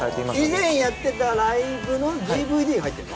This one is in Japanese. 以前やってたライブのＤＶＤが入ってるの？